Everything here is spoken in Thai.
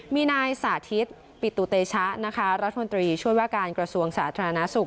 มีนายสาธิตปิตุเตชะนะคะรัฐมนตรีช่วยว่าการกระทรวงสาธารณสุข